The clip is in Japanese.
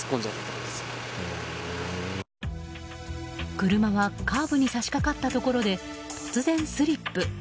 車はカーブに差し掛かったところで突然スリップ。